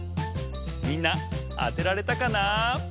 みんなあてられたかな？